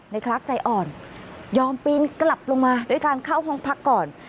คลักใจอ่อนยอมปีนกลับลงมาด้วยการเข้าห้องพักก่อน